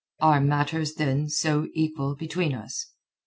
"Are matters, then, so equal between us?"